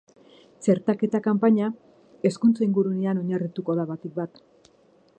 Txertaketa-kanpaina hezkuntza-ingurunean oinarrituko da batik bat.